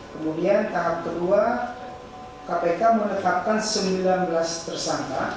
kemudian tahap kedua kpk menetapkan sembilan belas tersangka